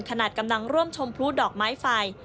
ขนาดกำลังร่วมชมพลุดอกไม้ไฟ